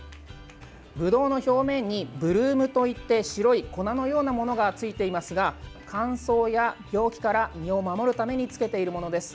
ぶどうの表面にブルームといって白い粉のようなものがついていますが乾燥や病気から身を守るためにつけているものです。